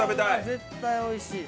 絶対おいしい。